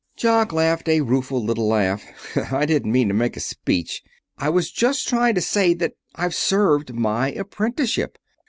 Jock laughed a rueful little laugh. "I didn't mean to make a speech. I was just trying to say that I've served my apprenticeship.